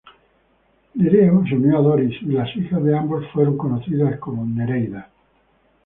Nereo se unió a Doris y las hijas de ambos fueron conocidas como Nereidas.